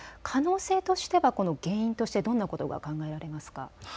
可能性としては原因としてどんなことが考えられますか。